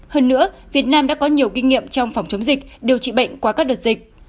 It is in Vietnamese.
hơn nữa việt nam đã có nhiều kinh nghiệm trong phòng chống dịch điều trị bệnh qua các đợt dịch